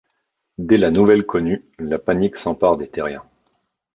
Dès la nouvelle connue, la panique s'empare des terriens.